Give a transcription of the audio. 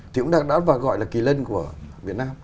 thì cũng đã và gọi là kỳ lân của việt nam